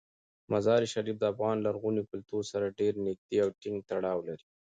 مزارشریف د افغان لرغوني کلتور سره ډیر نږدې او ټینګ تړاو لري.